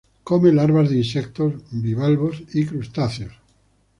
Come larvas de insectos, bivalvos y crustáceos.